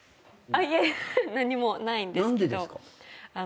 いやいや何もないんですけど。